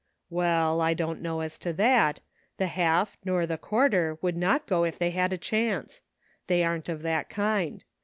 "Well, I don't know as to that. The half nor the quarter would not go if they had a chance. They aren't of that kind.